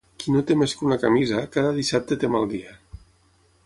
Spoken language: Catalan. Qui no té més que una camisa, cada dissabte té mal dia.